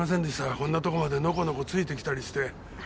こんなとこまでノコノコついて来たりして。